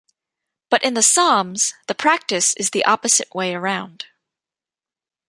But in the Psalms the practice is the opposite way around.